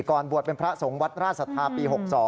ก่อนบวชเป็นพระสงฆ์วัดราชสัทธาปี๖๒